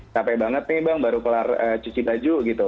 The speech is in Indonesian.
capek banget nih bang baru kelar cuci baju gitu